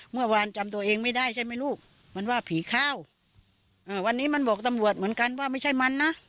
เมื่อวานจำตัวเองไม่ได้ใช่ไหมลูกมันว่าผีข้าววันนี้มันบอกตำรวจเหมือนกันว่าไม่ใช่มันนะ